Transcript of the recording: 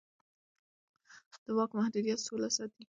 د واک محدودیت سوله ساتي